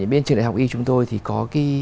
bên trường đại học y chúng tôi thì có